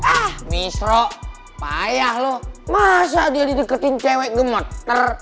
ah misro payah lo masa dia dideketin cewek gemot